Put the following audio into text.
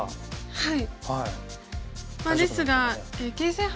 はい。